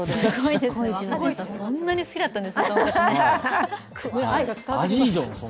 そんなに好きだったんですね。